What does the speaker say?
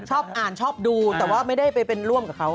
ชอบอ่านชอบดูแต่ไม่ได้ร่วมกับเขา